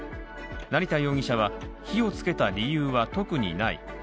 成田容疑者は、火をつけた理由は特にない。